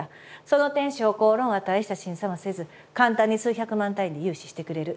その点商工ローンは大した審査もせず簡単に数百万単位で融資してくれる。